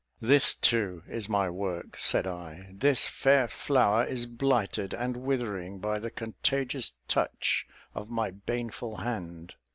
"This, too, is my work," said I; "this fair flower is blighted, and withering by the contagious touch of my baneful hand.